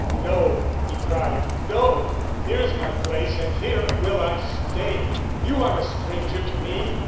"No," he cried, "no! Here is my place and here will I stay. You are a stranger to me!